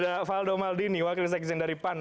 dan ada valdo maldini wakil seksien daripan